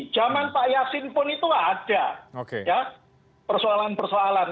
zaman pak yassin pun itu ada ya persoalan persoalan